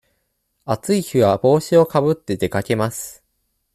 暑い日は帽子をかぶって出かけます。